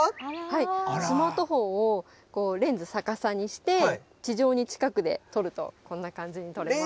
スマートフォンを、レンズ逆さにして、地上に近くで撮ると、こんな感じに撮れます。